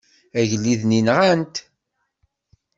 Agellid-nni nɣan-t.